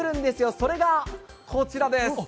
それがこちらです。